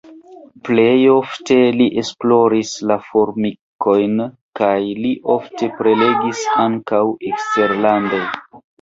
Plej ofte li esploris la formikojn kaj li ofte prelegis ankaŭ eksterlande.